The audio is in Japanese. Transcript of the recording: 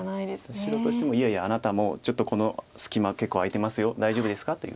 白としても「いやいやあなたもちょっとこの隙間結構空いてますよ大丈夫ですか？」という。